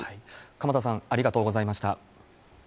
鎌田さん、ありがとうございました。